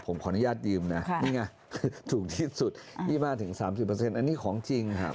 ผมขออนุญาตยืมนะนี่ไงคือถูกที่สุด๒๕๓๐อันนี้ของจริงครับ